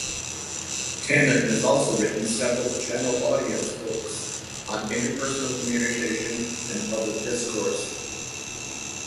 Tannen has also written several general-audience books on interpersonal communication and public discourse.